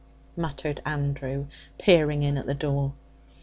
muttered Andrew, peering in at the door.